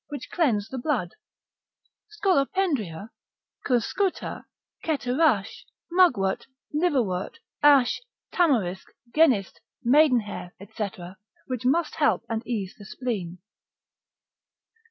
which cleanse the blood, Scolopendria, cuscuta, ceterache, mugwort, liverwort, ash, tamarisk, genist, maidenhair, &c., which must help and ease the spleen.